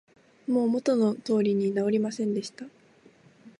もう元の通りに直りませんでした